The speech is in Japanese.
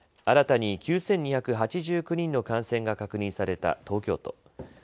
新たに９２８９人の感染が確認された東京都。